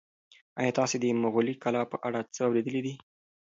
ایا تاسي د مغولي کلا په اړه څه اورېدلي دي؟